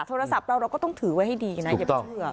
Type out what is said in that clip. โทรศัพท์เราเราก็ต้องถือไว้ให้ดีนะอย่าไปเชื่อ